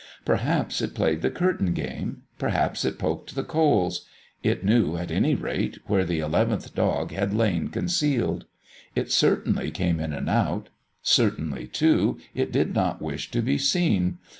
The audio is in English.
Perhaps it played the curtain game, perhaps it poked the coals; it knew, at any rate, where the eleventh dog had lain concealed. It certainly came in and out; certainly, too, it did not wish to be seen.